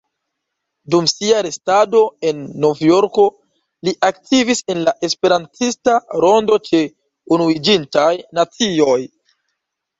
Dum sia restado en Novjorko li aktivis en la Esperantista rondo ĉe Unuiĝintaj Nacioj.